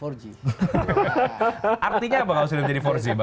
artinya apa kalau sudah menjadi empat g bang andre